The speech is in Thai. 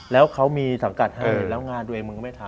แล้วเขามีสังกัดให้แล้วงานตัวเองมึงก็ไม่ทำ